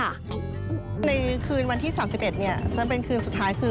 ในคืนวันที่๓๑จะเป็นคืนสุดท้ายคือ